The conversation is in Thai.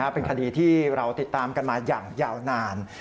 เป็นคดีที่เราติดตามกันมาอย่างยาวนาน